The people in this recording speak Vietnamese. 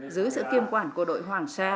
dưới sự kiêm quản của đội hoàng sa